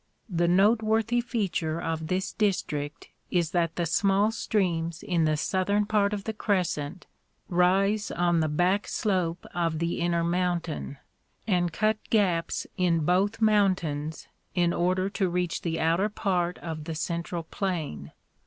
The noteworthy feature of this district is that the small streams in the southern part of the crescent rise on the back slope of the inner mountain and cut gaps in both mountains in order to reach the outer part of the Central Plain.